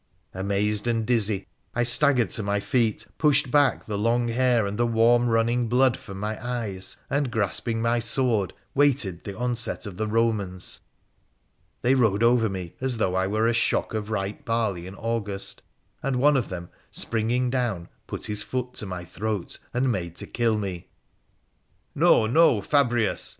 Amazed and dizzy, I staggered to my feet, pushed back the long hair and the warm running blood from my eyes, and, grasping my sword, waited the onset of the Romans. They rode over me as though I were a shock of ripe barley in August, and one of them, springing down, put his foot to my throat and made to kill me. ' No, no, Fabrius